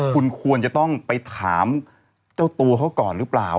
คุณควรจะต้องไปถามเจ้าตัวเขาก่อนหรือเปล่า